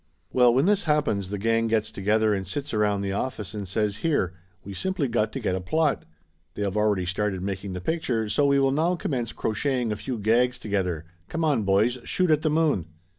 Well, when this happens the gang gets together and sits around the office and says here, we simply got to get a plot; they have already started making the pic ture, so we will now commence crocheting a few gags together, come on, boys, shoot at the moon